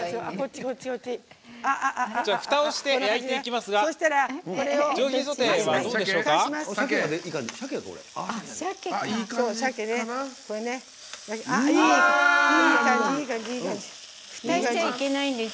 ふたをして焼いていきます。